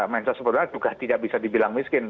menso sebelumnya juga tidak bisa dibilang miskin